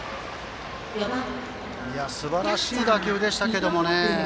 すばらしい打球でしたけどね。